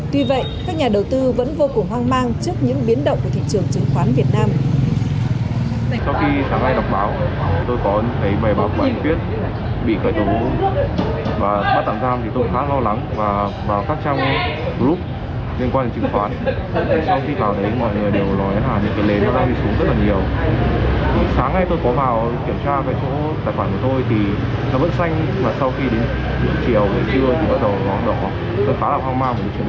tuy vậy các nhà đầu tư vẫn vô cùng hoang mang trước những biến động của thị trường chứng khoán việt nam